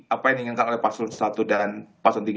apa yang diinginkan oleh paslon satu dan pasal tiga